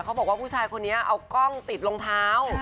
เขาบอกว่าผู้ชายคนนี้เอากล้องติดรองเท้า